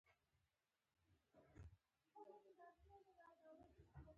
دا مخکشونه په رنګ، نقش او مختلف پرېړوالي کې جوړیږي.